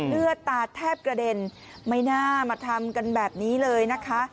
เลือดตาแทบกระเด็นไม่น่ามาทำกันแบบนี้เลยนะคะ